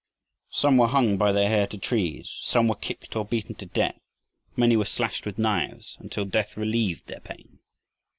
Some were hung by their hair to trees, some were kicked or beaten to death, many were slashed with knives until death relieved their pain.